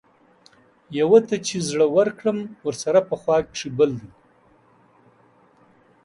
يو ته چې زړۀ ورکړم ورسره پۀ خوا کښې بل دے